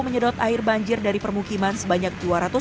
menyedot air banjir dari permukiman sebanyak